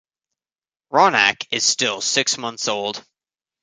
Ronak is still six months old.